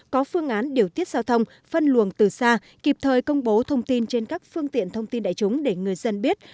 có phương án điều tiết giao thông phân luồng từ xa kịp thời công bố thông tin trên các phương tiện thông tin đại chúng để người dân biết